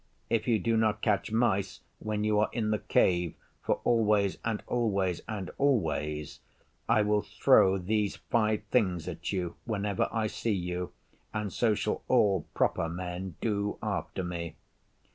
If you do not catch mice when you are in the Cave for always and always and always, I will throw these five things at you whenever I see you, and so shall all proper Men do after me.